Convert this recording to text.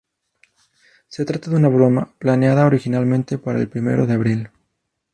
Se trata de una broma, planeada originalmente para el primero de abril".